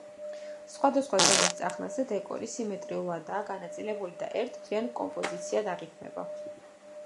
სხვადასხვა ზომის წახნაგზე დეკორი სიმეტრიულადაა განაწილებული და ერთ მთლიან კომპოზიციად აღიქმება.